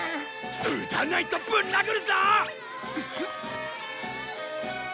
打たないとぶん殴るぞ！